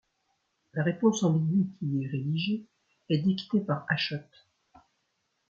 La réponse ambiguë qui y est rédigée est dictée par Achot.